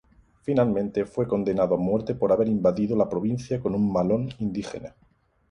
Finalmente fue condenado a muerte por haber invadido la provincia con un malón indígena.